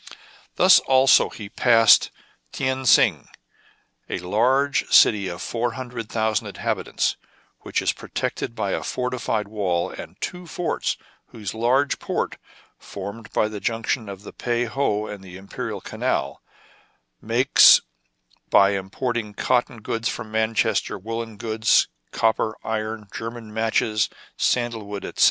Thus also he passed Tien Sing, a large city of four hundred thousand inhabitants, which is pro tected by a fortified wall and two forts, and whose large port, formed by the junction of the Pei ho and the Imperial Canal, makes — by importing cotton goods from Manchester, woollen goods, copper, iron, German matches, sandal wood, etc.